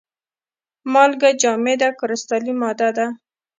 مالګه جامده کرستلي ماده ده.